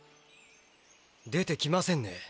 出てきませんね。